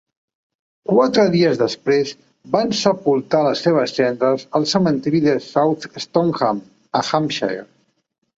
Quatre dies després, van sepultar les seves cendres al cementiri de South Stoneham, a Hampshire.